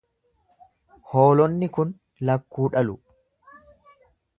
Hoolonni kun lakkuu dhalu.